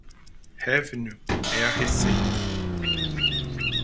Revenue é a receita.